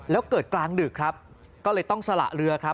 แล้วเกิดกลางดึกครับก็เลยต้องสละเรือครับ